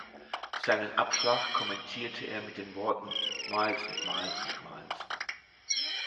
Seinen Abschlag kommentierte er mit den Worten "„Miles and miles and miles“".